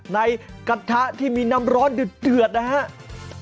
กระทะที่มีน้ำร้อนเดือดนะครับ